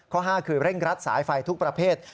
ข้อ๕คือเร่งรัดสายไฟทุกประเภท